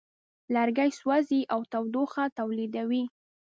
لرګی سوځي او تودوخه تولیدوي.